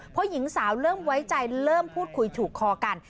เพราะหญิงสาวเริ่มไว้ใจเริ่มพูดคุยถูกคอกัน